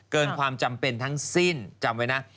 เกินความจำเป็นทั้งสิ้นจำไว้นะ